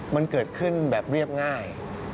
มันเกิดขึ้นแบบเรียบง่าย